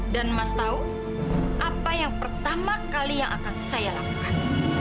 dan emas tahu apa yang pertama kali yang akan saya lakukan